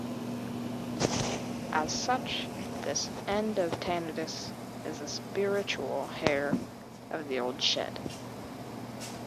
As such, this end of Tannadice is the spiritual heir of the old "Shed".